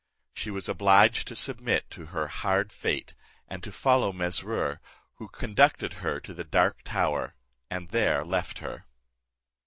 She was obliged to submit to her hard fate, and to follow Mesrour, who conducted her to the dark tower, and there left her.